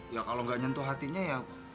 ya kalau nggak nyentuh hatinya ya